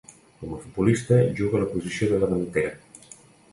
Com a futbolista, juga a la posició de davantera.